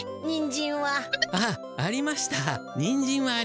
にんじんはありました。